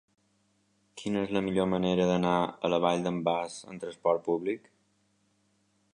Quina és la millor manera d'anar a la Vall d'en Bas amb trasport públic?